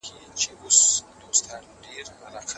د غریبانو د مشکل حلول پر موږ فرض دي.